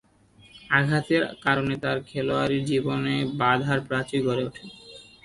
আঘাতের কারণে তার খেলোয়াড়ী জীবনে বাঁধার প্রাচীর গড়ে ওঠে।